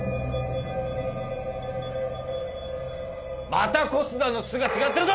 また小須田の「須」が違ってるぞ！